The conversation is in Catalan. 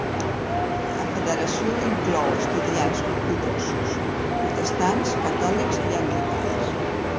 La Federació inclou estudiants ortodoxos, protestants, catòlics i anglicans.